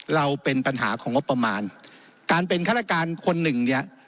เราเป็นปัญหาของงบประมาณการเป็นฆาตการคนหนึ่งเนี่ย